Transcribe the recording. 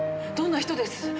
どんな人です？